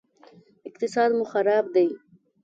اقتصاد مو خراب دی